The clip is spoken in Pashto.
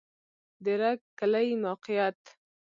د رګ کلی موقعیت